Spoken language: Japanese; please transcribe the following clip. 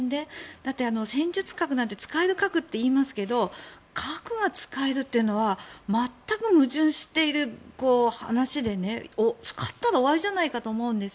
だって、戦術核なんて使える核って言いますけど核が使えるというのは全く矛盾している話で使ったら終わりじゃないかと。